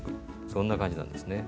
そんな感じなんですね。